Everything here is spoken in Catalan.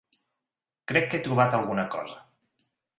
Crec que he trobat alguna cosa.